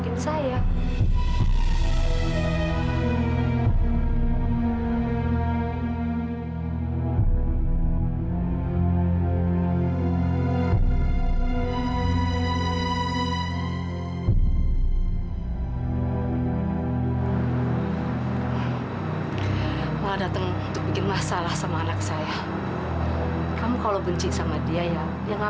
malah dateng untuk bikin masalah sama anak saya kamu kalau benci sama dia ya ya nggak